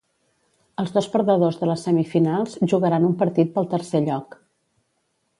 Els dos perdedors de les semifinals jugaran un partit pel tercer lloc.